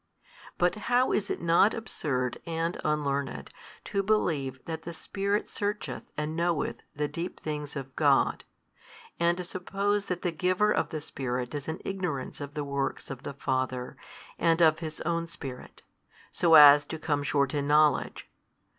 But how is it not absurd and unlearned to believe that the Spirit searcheth and knoweth the deep things of God, and to suppose that the Giver of the Spirit is in ignorance of the works of the Father and of His own Spirit, so as to come short in knowledge?